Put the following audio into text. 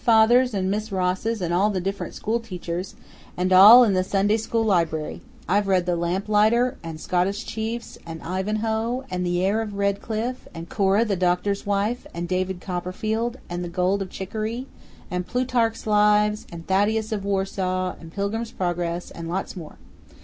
"Father's and Miss Ross's and all the dif'rent school teachers', and all in the Sunday school library. I've read The Lamplighter, and Scottish Chiefs, and Ivanhoe, and The Heir of Redclyffe, and Cora, the Doctor's Wife, and David Copperfield, and The Gold of Chickaree, and Plutarch's Lives, and Thaddeus of Warsaw, and Pilgrim's Progress, and lots more.